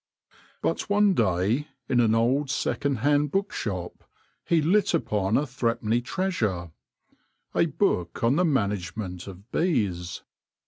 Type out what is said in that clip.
But one day, in an old second hand book shop, he lit upon a three penny treasure — a book on the management of bees.